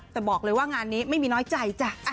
แต่บอกเลยว่างานนี้ไม่มีน้อยใจจ้ะ